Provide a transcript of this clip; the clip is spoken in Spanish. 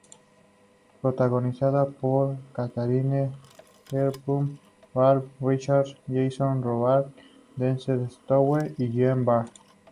Protagonizada por Katharine Hepburn, Ralph Richardson, Jason Robards, Dean Stockwell y Jeanne Barr.